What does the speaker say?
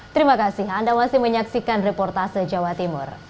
terima kasih anda masih menyaksikan reportase jawa timur